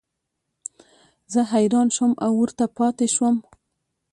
زه حیران شوم او ورته پاتې شوم.